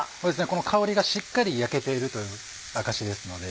この香りがしっかり焼けているという証しですので。